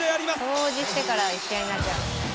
掃除してから試合になっちゃう。